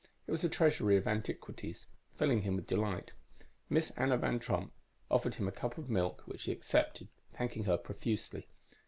It was a treasury of antiquities, filling him with delight. Miss Anna Van Tromp offered him a cup of milk, which he accepted, thanking her profusely.